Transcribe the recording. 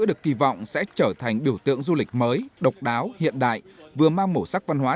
được kỳ vọng sẽ trở thành biểu tượng du lịch mới độc đáo hiện đại vừa mang màu sắc văn hóa